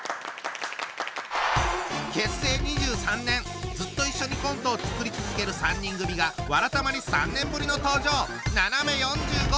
結成２３年ずっと一緒にコントを作り続ける３人組が「わらたま」に３年ぶりの登場！